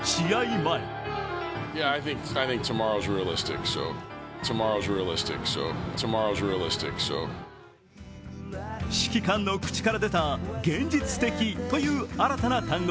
前指揮官の口から出た現実的という新たな単語。